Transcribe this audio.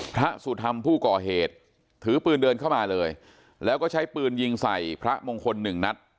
พระสุธรรมผู้ก่อเหตุถือปืนเดินเข้ามาเลยแล้วก็ใช้ปืนยิงใส่พระมงคลหนึ่งนัด